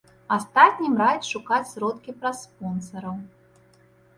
Астатнім раяць шукаць сродкі праз спонсараў.